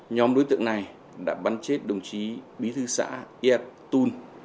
nhóm đối tượng này đã bắn chết đồng chí bí thư xã yat tun